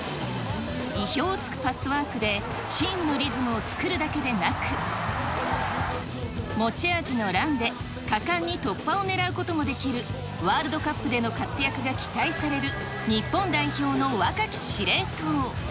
いひょうをつくパスワークで、チームのリズムを作るだけでなく、持ち味のランで、果敢に突破を狙うこともできる、ワールドカップでの活躍が期待される日本代表の若き司令塔。